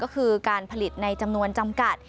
ก็คือการผลิตในจำนวนจำกัด